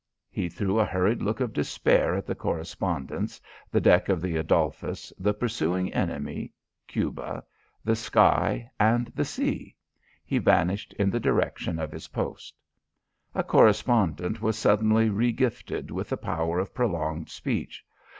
He threw a hurried look of despair at the correspondents, the deck of the Adolphus, the pursuing enemy, Cuba, the sky and the sea; he vanished in the direction of his post. A correspondent was suddenly regifted with the power of prolonged speech.